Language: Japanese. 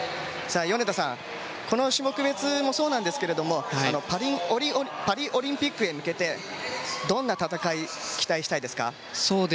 米田さん、この種目別もそうなんですけれどもパリオリンピックへ向けてどんな戦いを期待したいですか。